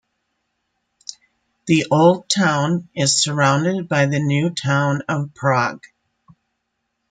The Old Town is surrounded by the New Town of Prague.